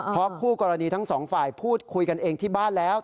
เพราะคู่กรณีทั้งสองฝ่ายพูดคุยกันเองที่บ้านแล้ว